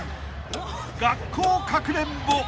［学校かくれんぼ］